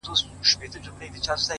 o زما د زړه په هغه شين اسمان كي،